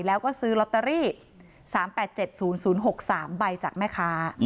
แล้วก็ซื้อลอตเตอรี่๓๘๗๐๐๖๓ใบจากแม่ค้า